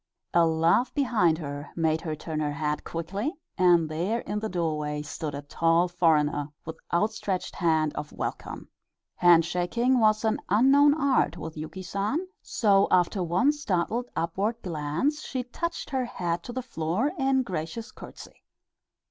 A laugh behind her made her turn her head quickly, and there in the doorway stood a tall foreigner, with outstretched hand of welcome. Hand shaking was an unknown art with Yuki San, so after one startled upward glance she touched her head to the floor in gracious courtesy.